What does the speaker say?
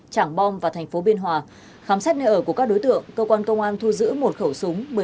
trảng bom và thành phố biên hòa khám xét nơi ở của các đối tượng cơ quan công an thu giữ một khẩu súng